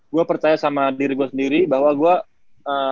gue percaya sama diri gue sendiri bahwa gue